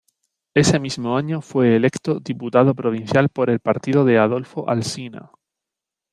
Ese mismo año fue electo diputado provincial por el partido de Adolfo Alsina.